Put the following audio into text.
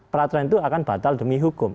peraturan itu akan batal demi hukum